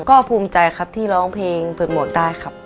ก็ภูมิใจครับที่ร้องเพลงเปิดหมวกได้ครับ